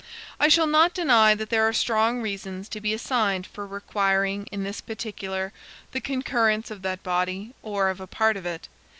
I shall not deny that there are strong reasons to be assigned for requiring in this particular the concurrence of that body, or of a part of it.